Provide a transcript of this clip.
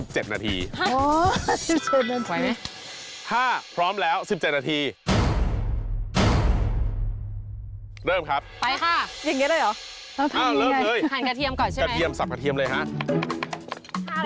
ใช่แล้วให้เวลาทั้งหมด๑๗นาทีมั้ยแม่แล้วเท่าที่